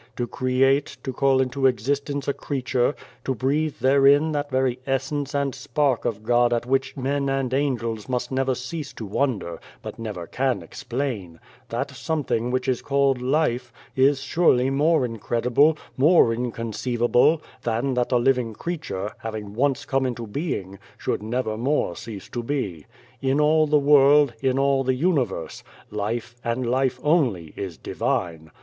To create, to call into existence a creature, to breathe therein that very essence and spark of God at which men and angels must never cease to wonder, but never can explain that something which is called 'life' is surely more incredible, more inconceivable, than that a living creature, having once come into being, should never more cease to be. In all the world, all the universe, life, and life only, is divine.